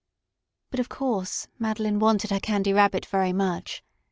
But of course Madeline wanted her Candy Rabbit very much.